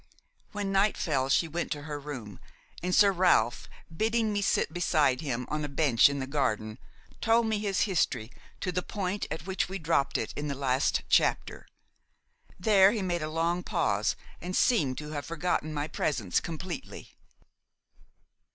When night fell she went to her room, and Sir Ralph, bidding me sit beside him on a bench in the garden, told me his history to the point at which we dropped it in the last chapter. There he made a long pause and seemed to have forgotten my presence completely.